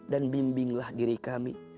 dan bimbinglah diri kami